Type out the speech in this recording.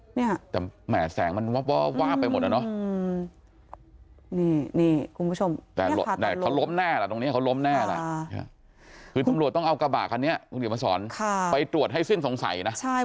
แหมะแสงมันวาบวาร์บไปหมดอะ